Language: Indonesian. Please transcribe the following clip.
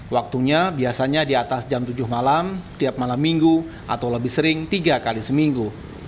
waktunya biasanya di atas jam tujuh malam tiap malam minggu atau lebih sering tiga kali seminggu